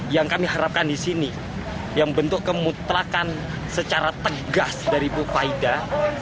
yang kami harapkan di sini yang bentuk kemutrakan secara tegas dari bupati jember faida